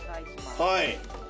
はい。